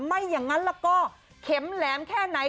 ไม่อย่างนั้นแล้วก็เข็มแหลมแค่ไหน